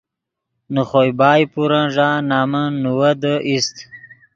نے خوئے بائے پورن ݱا نمن نیویدے اِیست